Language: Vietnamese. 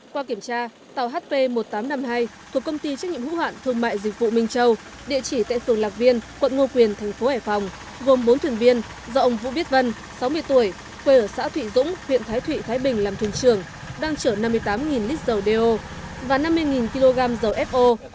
qua kiểm tra tàu hp một nghìn tám trăm năm mươi hai thuộc công ty trách nhiệm hữu hạn thương mại dịch vụ minh châu địa chỉ tại phường lạc viên quận ngo quyền thành phố hải phòng gồm bốn thuyền viên do ông vũ biết vân sáu mươi tuổi quê ở xã thụy dũng huyện thái thụy thái bình làm thuyền trưởng đang chở năm mươi tám lít dầu đeo và năm mươi kg dầu fo